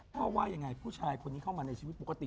ว่ายังไงผู้ชายคนนี้เข้ามาในชีวิตปกติ